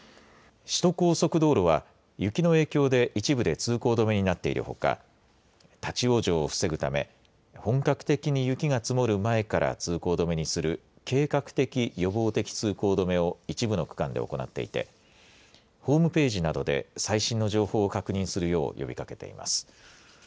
首都高速道路は雪の影響で一部で通行止めになっているほか立往生を防ぐため本格的に雪が積もる前から通行止めにする計画的・予防的通行止めを一部の区間で行っていてホームページなどで最新の情報を確認するよう呼びかけています。